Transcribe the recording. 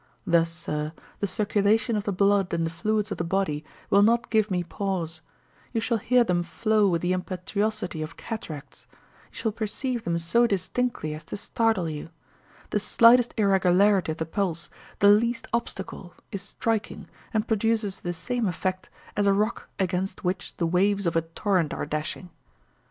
Thus, sir, the circulation of the blood and the fluids of the body will not give me pause; you shall hear them flow with the impetuosity of cataracts; you shall perceive them so distinctly as to startle you; the slightest irregularity of the pulse, the least obstacle, is striking, and produces the same effect as a rock against which the waves of a torrent are dashing!